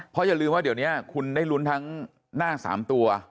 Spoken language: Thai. เพราะอย่าลืมว่าเดี๋ยวนี้คุณได้ลุ้นทั้งหน้า๓ตัว